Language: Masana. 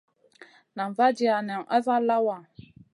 Nan vaadia nen asa lawa.